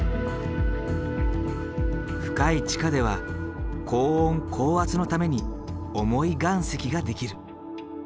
深い地下では高温高圧のために重い岩石ができる。